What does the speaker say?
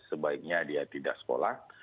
sebaiknya dia tidak sekolah